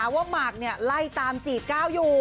ว่ามัร์คไล่ตามจีดก้าวอยู่